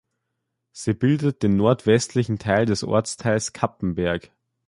Sie bildet den nordwestlichen Teil des Ortsteils Cappenberg.